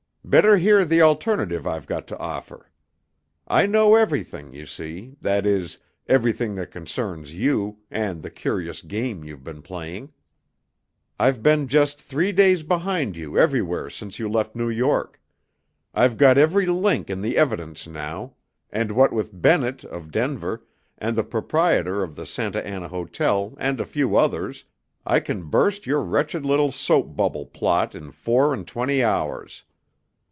"Better hear the alternative I've got to offer. I know everything, you see that is, everything that concerns you, and the curious game you've been playing. "I've been just three days behind you everywhere since you left New York. I've got every link in the evidence now, and what with Bennett, of Denver, and the proprietor of the Santa Anna Hotel, and a few others, I can burst your wretched little soap bubble plot in four and twenty hours.